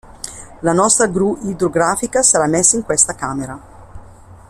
La nostra gru idrografica sarà messa in questa camera.